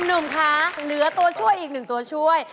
หนุ่มคะเหลือตัวช่วยอีกหนึ่งตัวช่วย